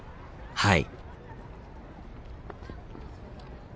はい。